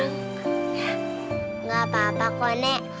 nggak apa apa kok nek